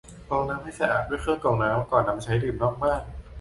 กรองน้ำให้สะอาดด้วยเครื่องกรองน้ำก่อนนำไปใช้ดื่มนอกบ้าน